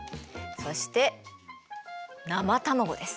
そして生卵です。